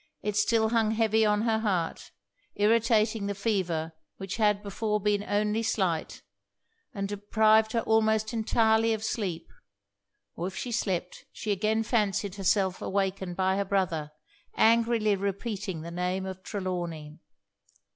It still hung heavy on her heart, irritated the fever which had before been only slight, and deprived her almost entirely of sleep; or if she slept, she again fancied herself awakened by her brother, angrily repeating the name of Trelawny.